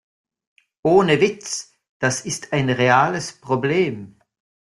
Ohne Witz, das ist ein reales Problem.